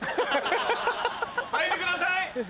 はいてください。